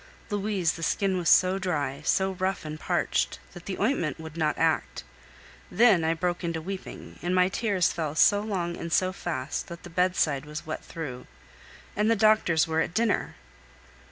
Louise, the skin was so dry, so rough and parched, that the ointment would not act. Then I broke into weeping, and my tears fell so long and so fast, that the bedside was wet through. And the doctors were at dinner!